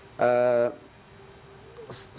oke baik baik sedikit